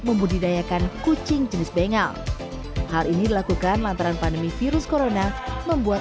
membudidayakan kucing jenis bengal hal ini dilakukan lantaran pandemi virus corona membuat